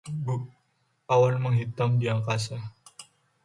awan menghitam di angkasa